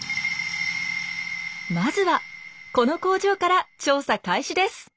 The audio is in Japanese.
まずはこの工場から調査開始です。